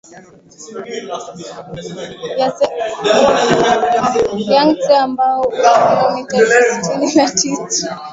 Yangtse ambao una kilomita elfu sitini na tatu